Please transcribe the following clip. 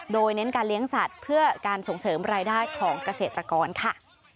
โดยเน้นการเลี้ยงสัตว์เพื่อการส่งเสริมรายได้ของเกษตรกรค่ะ